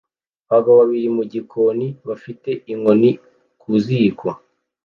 Abagabo babiri mu gikoni bafite inkono ku ziko